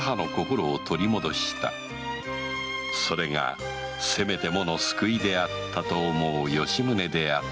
それがせめてもの救いであったと思う吉宗であった